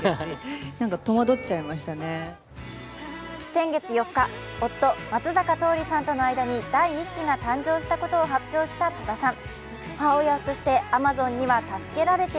先月４日、夫・松坂桃李さんとの間に第一子が誕生したことを発表した戸田さん。